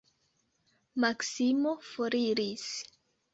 Maksimo foriris.